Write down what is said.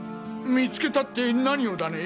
見つけたって何をだね？